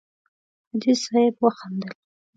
حاجي صیب وخندل.